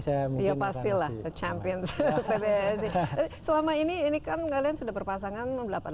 saya mungkin pasti lah the champions selama ini ini kan kalian sudah berpasangan delapan puluh delapan tahun ya sekarang